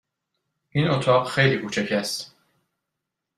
این اتاق خیلی کوچک است.